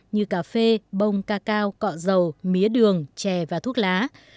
như cà phê bông cacao cọ dầu mía đường chè và thuốc lá